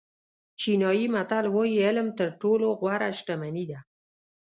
چینایي متل وایي علم تر ټولو غوره شتمني ده.